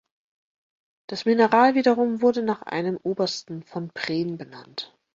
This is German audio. Das Mineral wiederum wurde nach einem Obersten von "Prehn" benannt.